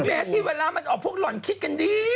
แม้ที่เวลามันออกพวกหล่อนคิดกันดี